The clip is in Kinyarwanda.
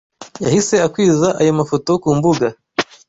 yahise akwiza ayo mafoto ku mbuga